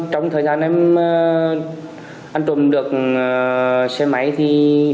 trong thời gian em trộm được xe máy thì